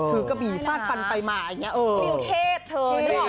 ถือกระบี่ฟาดฟันไปมาอย่างเนี่ย